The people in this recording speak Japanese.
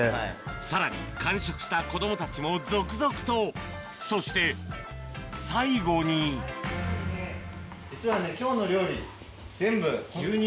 さらに完食した子供たちも続々とそして最後に実はね今日の料理。